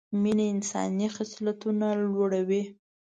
مینه انساني خصلتونه لوړه وي